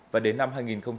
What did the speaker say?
và đến năm hai nghìn ba mươi